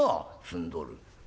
「済んどる」。